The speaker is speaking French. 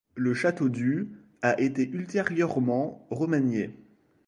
Le château du a été ultérieurement remanié.